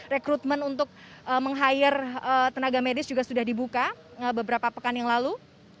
rekrutmen untuk meng hire tenaga medis juga sudah dibuka beberapa pekan yang lalu